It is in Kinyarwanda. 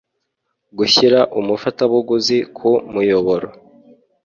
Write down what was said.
gushyira umufatabuguzi ku muyoboro